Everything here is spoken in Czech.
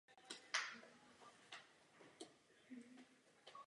Je ženatý a má tři děti se dvěma ženami.